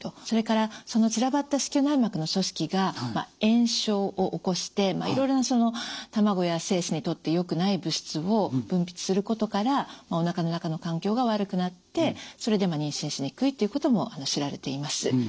それからその散らばった子宮内膜の組織が炎症を起こしていろいろなその卵や精子にとって良くない物質を分泌することからおなかの中の環境が悪くなってそれで妊娠しにくいということも知られています。